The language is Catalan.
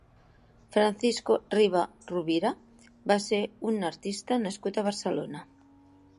Francisco Riba Rovira va ser un artista nascut a Barcelona.